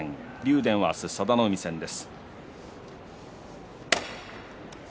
電は明日、佐田の海戦です。